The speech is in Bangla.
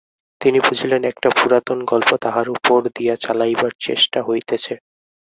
তিনি বুঝিলেন একটা পুরাতন গল্প তাঁহার উপর দিয়া চালাইবার চেষ্টা হইতেছে।